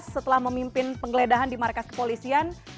setelah memimpin penggeledahan di markas kepolisian